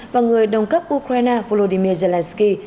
và người đồng cấp ukraine volodymyr zelensky